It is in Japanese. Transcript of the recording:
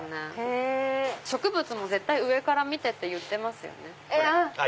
植物も絶対上から見て！って言ってますよね。